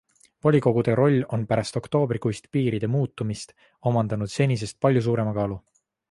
Volikogude roll on pärast oktoobrikuist piiride muutumist omandanud senisest palju suurema kaalu.